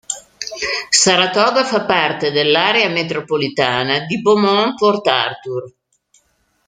Saratoga fa parte dell'area metropolitana di Beaumont-Port Arthur.